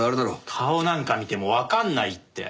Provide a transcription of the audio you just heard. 顔なんか見てもわかんないって。